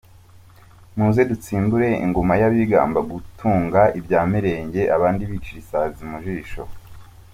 Muze dutsimbure ingoma y’abigamba gutunga ibya mirenge abandi bicira isazi mi jisho.